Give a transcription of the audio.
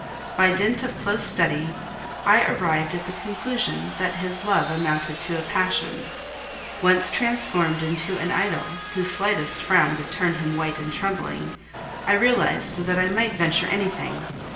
By dint of close study, I arrived at the conclusion that his love amounted to a passion. Once transformed into an idol, whose slightest frown would turn him white and trembling, I realized that I might venture anything.